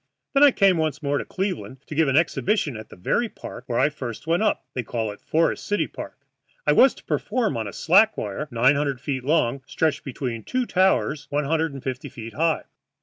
Then I came once more to Cleveland to give an exhibition at the very park where I first went up they call it Forest City Park. I was to perform on a slack wire nine hundred feet long, stretched between two towers one hundred and fifty feet high.